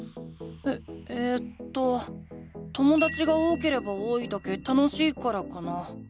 ええとともだちが多ければ多いだけ楽しいからかな。